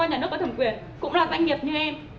cơ quan nhà nước có thẩm quyền cũng là doanh nghiệp như em